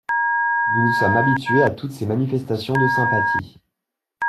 Nous nous sommes habitués à toutes ces manifestations de sympathie.